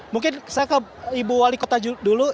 mungkin saya ke ibu wali kota dulu